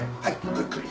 ごゆっくり。